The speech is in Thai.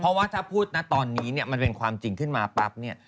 เพราะว่าถ้าพูดนะตอนนี้เนี่ยมันเป็นความจริงขึ้นมาปั๊บเนี่ย